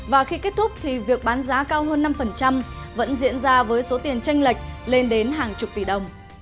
và khi kết thúc thì việc bán giá cao hơn năm vẫn diễn ra với số tiền tranh lệch lên đến hàng chục tỷ đồng